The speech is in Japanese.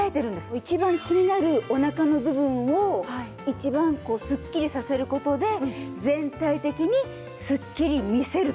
一番気になるおなかの部分を一番スッキリさせる事で全体的にスッキリ見せると。